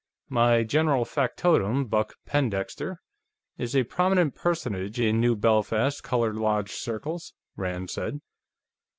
"My general factotum, Buck Pendexter, is a prominent personage in New Belfast colored lodge circles," Rand said.